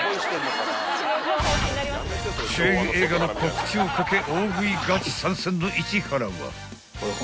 ［主演映画の告知を懸け大食いガチ参戦の市原は］